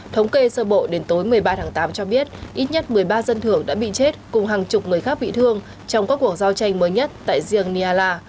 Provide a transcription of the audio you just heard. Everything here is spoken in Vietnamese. thống kê sơ bộ đến tối một mươi ba tháng tám cho biết ít nhất một mươi ba dân thưởng đã bị chết cùng hàng chục người khác bị thương trong các cuộc giao tranh mới nhất tại riêng nyala